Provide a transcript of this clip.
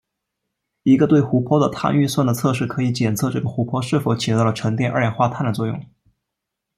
一个对湖泊的碳预算的测试可以检测这个湖泊是否起到了沉淀二氧化碳的作用。